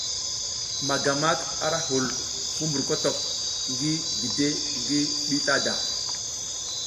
Magamak ara hul mumburkotok ngi dide ngi bitada.